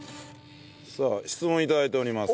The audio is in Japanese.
さあ質問頂いております。